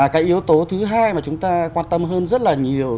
cái yếu tố thứ hai mà chúng ta quan tâm hơn rất là nhiều